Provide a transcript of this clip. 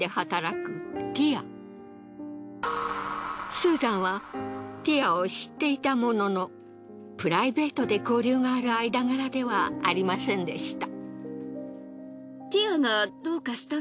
スーザンはティアを知っていたもののプライベートで交流がある間柄ではありませんでした。